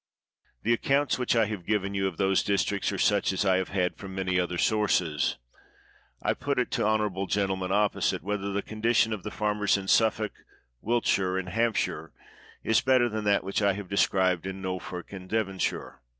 The accounts which I have given you of those districts are such as I have had from many other sources. I put it to honorable gentlemen oppo site, whether the condition of the farmers in Suffolk, Wiltshire, and Hampshire, is better than that which I have described in Norfolk and Dev onshire?